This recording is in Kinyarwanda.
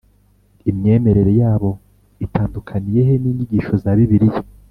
imyemerere yabo itandukaniye he n’inyigisho za bibiliya